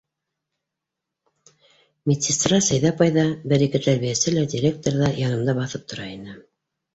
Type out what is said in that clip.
Медсестра Сәйҙә апай ҙа, бер-ике тәрбиәсе лә, директор ҙа янымда баҫып тора ине.